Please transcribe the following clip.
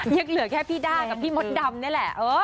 เนี่ยเหลือแค่พี่ดากับพี่มดดำเนี่ยแหละ